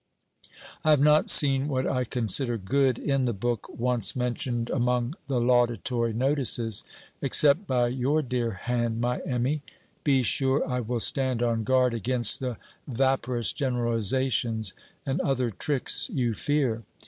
I have not seen what I consider good in the book once mentioned among the laudatory notices except by your dear hand, my Emmy. Be sure I will stand on guard against the "vaporous generalizations," and other "tricks" you fear.